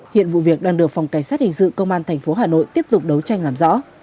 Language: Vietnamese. hiện vụ việc đang được phòng cảnh sát hình sự công an tp hà nội tiếp tục đấu tranh làm rõ